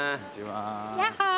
ヤッホー！